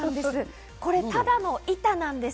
ただの板なんです。